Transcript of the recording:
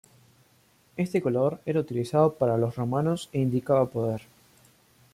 Este color era utilizado por los romanos e indicaba poder.